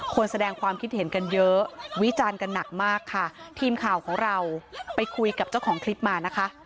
แสดงความคิดเห็นกันเยอะวิจารณ์กันหนักมากค่ะทีมข่าวของเราไปคุยกับเจ้าของคลิปมานะคะ